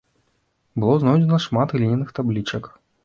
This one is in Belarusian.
Было знойдзена шмат гліняных таблічак.